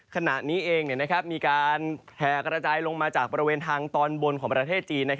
ขณะนี้เองมีการแห่กระจายลงมาจากบริเวณทางตอนบนของประเทศจีน